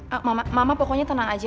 kak mama pokoknya tenang aja